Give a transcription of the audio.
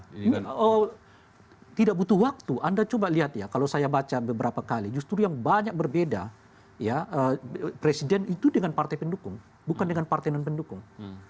tidak butuh waktu anda coba lihat ya kalau saya baca beberapa kali justru yang banyak berbeda ya presiden itu dengan partai pendukung bukan dengan partai non pendukung